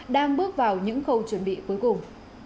đang bước vào những khâu chuẩn bị cuối cùng